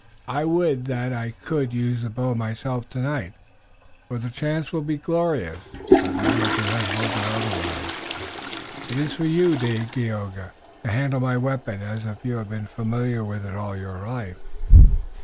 I would that I could use the bow myself tonight, for the chance will be glorious, but Manitou has willed otherwise. It is for you, Dagaeoga, to handle my weapon as if you had been familiar with it all your life."